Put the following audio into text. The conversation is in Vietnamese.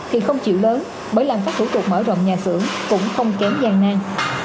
thì không chịu lớn bởi làm các thủ tục mở rộng nhà xưởng cũng không kém gian nan